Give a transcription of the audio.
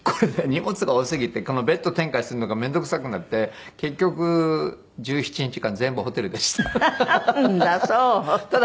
荷物が多すぎてこのベッド展開するのが面倒くさくなって結局１７日間全部ホテルでした。